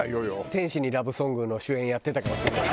『天使にラブ・ソングを』の主演やってたかもしれない。